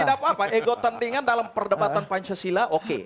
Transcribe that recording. tidak apa apa ego tandingan dalam perdebatan pancasila oke